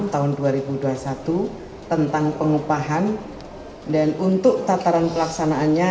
tahun dua ribu dua puluh satu tentang pengupahan dan untuk tataran pelaksanaannya